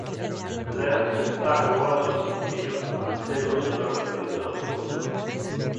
Lejos está Jehová de los impíos: Mas él oye la oración de los justos.